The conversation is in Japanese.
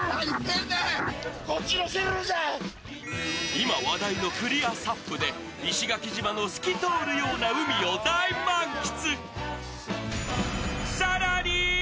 今、話題のクリアＳＵＰで石垣島の透き通るような海を大満喫。